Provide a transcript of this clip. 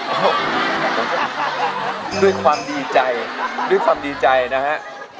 ด้วยความดีใจด้วยความดีใจนะฮะ